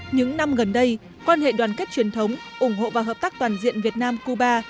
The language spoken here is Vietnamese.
những năm gần đây quan hệ đoàn kết truyền thống ủng hộ và hợp tác toàn diện việt nam cuba